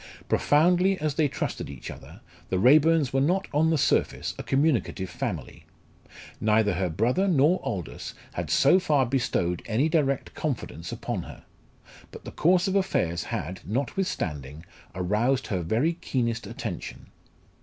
Profoundly as they trusted each other, the Raeburns were not on the surface a communicative family. Neither her brother nor Aldous had so far bestowed any direct confidence upon her; but the course of affairs had, notwithstanding, aroused her very keenest attention.